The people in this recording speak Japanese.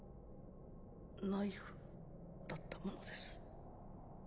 ナイフだったものです。